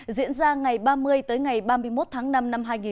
diễn ra ngày ba mươi tới ngày ba mươi một tháng năm năm hai nghìn hai mươi